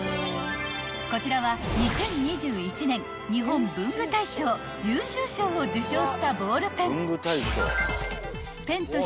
［こちらは２０２１年日本文具大賞優秀賞を受賞したボールペン］